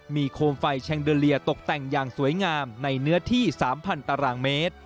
มีโคมไฟแชงเดอเลียตกแต่งอย่างสวยงามในเนื้อที่๓๐๐ตารางเมตร